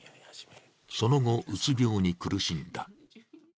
その後、うつ病に苦しんだ。